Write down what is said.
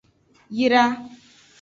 Yra.